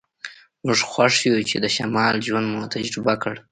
موږ خوښ یو چې د شمال ژوند مو تجربه کړ